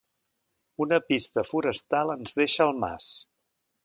Una pista forestal ens deixa al mas.